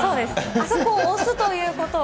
あそこを押すということ。